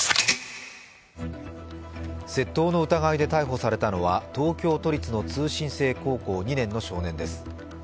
窃盗の疑いで逮捕されたのは東京都立の通信制高校２年の少年です。